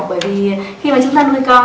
bởi vì khi mà chúng ta nuôi con